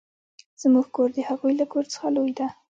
زموږ کور د هغوې له کور څخه لوي ده.